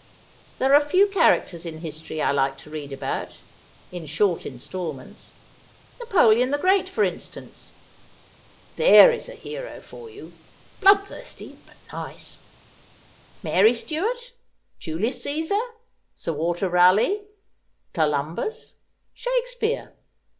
There are a few characters in history I like to read about — in short instal ments. Napoleon the Great, for instance. There is a hero * Thou Lovest Me, that wot I wel certain.'' 59 for you — bloodthirsty, but nice. Mary Stuart, Julius Caesar, Sir Walter Raleigh, Columbus, Shakespeare.